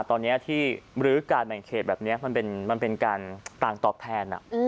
ตอนนี้ที่มรื้อการแบ่งเขตแบบนี้มันเป็นการต่างตอบแทน